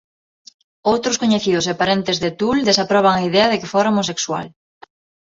Outros coñecidos e parentes de Toole desaproban a idea de que fora homosexual.